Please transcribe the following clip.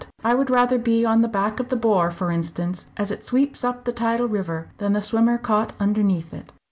I would rather be on the back of the 'bore' for instance, as it sweeps up the tidal river, than the swimmer caught underneath it."